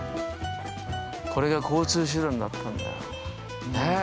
これが交通手段だったんだよ。